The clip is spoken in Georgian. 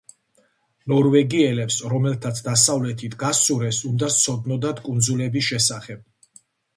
ნორვეგიელებს, რომელთაც დასავლეთით გასცურეს, უნდა სცოდნოდათ კუნძულების შესახებ.